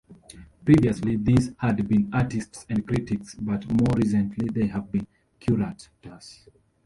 Previously these had been artists and critics, but more recently they have been curators.